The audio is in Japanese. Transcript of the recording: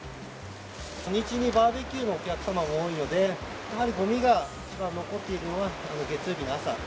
土日にバーベキューのお客様が多いので、やはりごみが一番残っているのが月曜日の朝。